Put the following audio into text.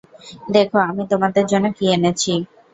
দেখ আমি তোমাদের জন্য কি এনেছি!